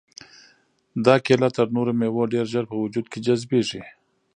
دا کیله تر نورو مېوو ډېر ژر په وجود کې جذبیږي.